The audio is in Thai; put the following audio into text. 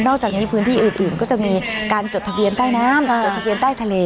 จากนี้พื้นที่อื่นก็จะมีการจดทะเบียนใต้น้ำจดทะเบียนใต้ทะเล